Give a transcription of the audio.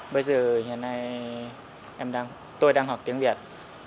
bây giờ hiện nay tôi đang học tiếng việt